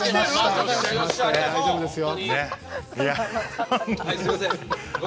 大丈夫ですよ！